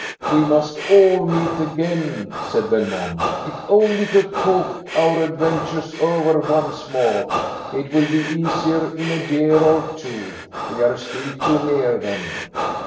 "We must all meet again," said Belmont, "if only to talk our adventures over once more. It will be easier in a year or two. We are still too near them."